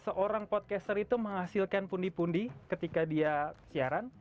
seorang podcaster itu menghasilkan pundi pundi ketika dia siaran